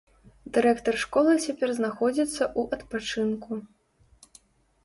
Дырэктар школы цяпер знаходзіцца ў адпачынку.